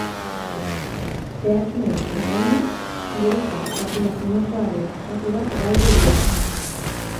Zehatz-mehatz esanda, geruza kartilaginosoaren zati bat galdu du.